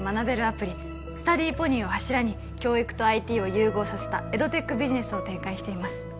アプリスタディーポニーを柱に教育とＩＴを融合させたエドテックビジネスを展開しています